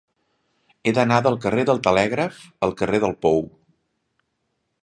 He d'anar del carrer del Telègraf al carrer del Pou.